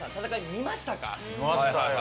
見ましたよ。